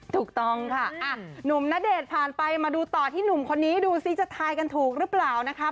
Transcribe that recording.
ถูกต้องค่ะหนุ่มณเดชน์ผ่านไปมาดูต่อที่หนุ่มคนนี้ดูซิจะทายกันถูกหรือเปล่านะคะ